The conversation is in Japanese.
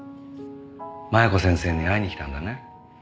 麻弥子先生に会いに来たんだね？